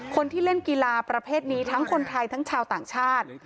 คนที่เล่นกีฬาประเภทนี้ทั้งคนไทยทั้งชาวต่างชาติ